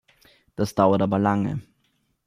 Das dauert aber lange!